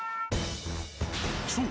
そう。